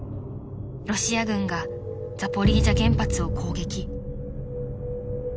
［ロシア軍がザポリージャ原発を攻撃］